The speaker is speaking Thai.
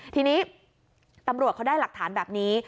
ทีนี้ตำรวจเขาได้หลักฐานแบบนี้